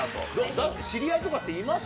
だって、知り合いとかっています？